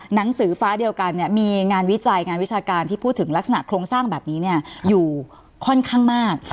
หนังสือฟ้าเดียวกันมีงานวิจัยงานวิชาการที่พูดถึงลักษณะโครงสร้างแบบนี้อยู่ค่อนข้างมาก